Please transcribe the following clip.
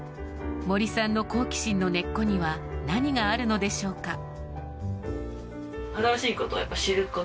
森さんの好奇心の根っこには何があるのでしょうか。